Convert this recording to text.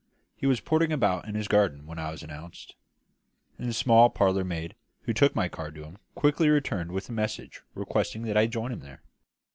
He was pottering about in his garden when I was announced; and the smart parlour maid who took my card to him quickly returned with a message requesting that I would join him there.